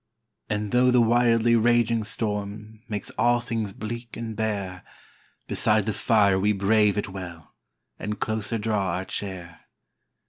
And, though the wildly raging storm Makes all things bleak and bare, Beside the fire we brave it well, And closer draw our chair.